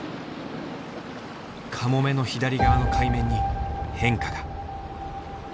カモメの左側の海面に変化が。